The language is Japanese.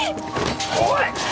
おい！